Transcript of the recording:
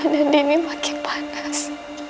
dali udah ostrima aduh